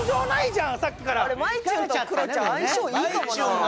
まいちゅんとクロちゃん相性いいかもな。